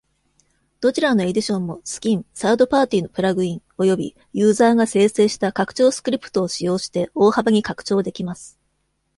どちらのエディションも、スキン、サードパーティのプラグイン、およびユーザーが生成した拡張スクリプトを使用して大幅に拡張できます。